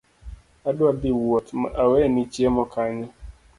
Adwa dhii wuoth aweni chiemo kanyo